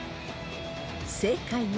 ［正解は］